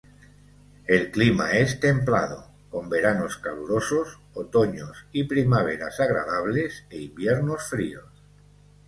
El clima es templado, con veranos calurosos, otoños y primaveras agradables e inviernos fríos.